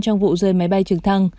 trong vụ rơi máy bay trực thăng